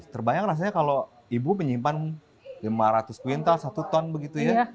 terbayang rasanya kalau ibu menyimpan lima ratus kuintal satu ton begitu ya